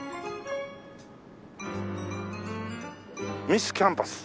ミスキャンパス。